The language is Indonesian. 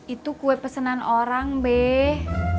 itu kue pesanan orang beh